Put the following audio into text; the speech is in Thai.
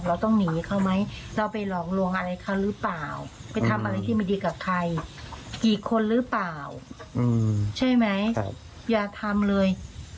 ใช่ไหมอย่าทำเลย